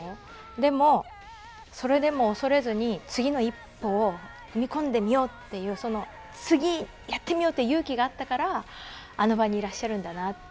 でも、それでも恐れずに次の一歩を踏み込んでみようっていう次やってみようっていう勇気があったからあの場にいらっしゃるんだなって。